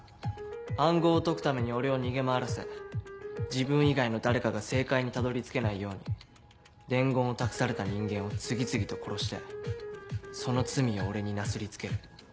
暗号を解くために俺を逃げ回らせ自分以外の誰かが正解にたどり着けないように伝言を託された人間を次々と殺してその罪を俺になすり付ける。